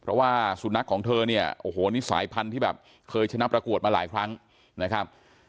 เพราะว่าสุนัขของเธอเนี่ยโอ้โหนี่สายพันธุ์ที่แบบเคยชนะประกวดมาหลายครั้งนะครับ